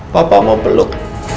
papa mau peluk